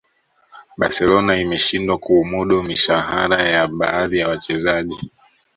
barcelona imeshindwa kuumudu mishahara ya baadhi ya wachezaji